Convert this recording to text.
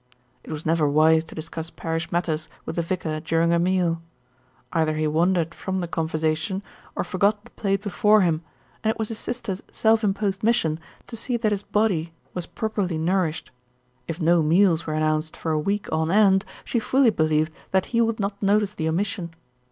It was never wise to discuss parish matters with the vicar during a meal. Either he wandered from the conversation, or forgot the plate before him, and it was his sister's self imposed mission to see that his body was properly nourished. If no meals were an nounced for a week on end, she fully believed that he would not notice the omission.